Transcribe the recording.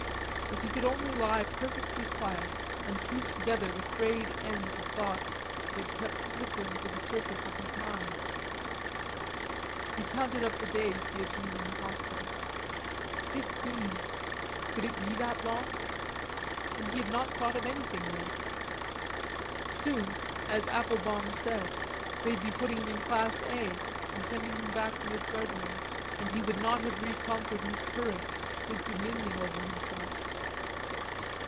If he could only lie perfectly quiet, and piece together the frayed ends of thoughts that kept flickering to the surface of his mind. He counted up the days he had been in the hospital; fifteen! Could it be that long? And he had not thought of anything yet. Soon, as Applebaum said, they'd be putting him in Class A and sending him back to the treadmill, and he would not have reconquered his courage, his dominion over himself.